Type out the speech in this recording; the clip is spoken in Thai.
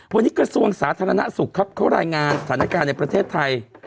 วันนี้กระทรวงสาธารณสุขครับเขารายงานสถานการณ์ในประเทศไทย